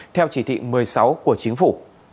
theo chỉ thị một mươi sáu của chính phủ